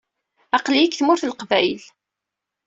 Aql-iyi deg Tmurt n Leqbayel.